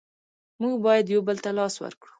مونږ باید یو بل ته لاس ورکړو.